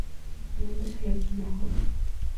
Actualmente sale con una joven.